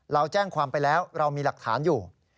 เราแจ้งความไปแล้วเรามีหลักฐานอยู่